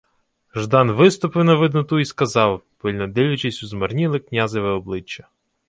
Ждан виступив на видноту й сказав, пильно дивлячись у змарніле князеве обличчя: